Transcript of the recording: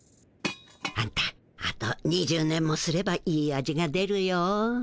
あんたあと２０年もすればいい味がでるよ。